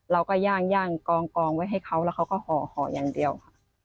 ย่างกองไว้ให้เขาแล้วเขาก็ห่ออย่างเดียวค่ะ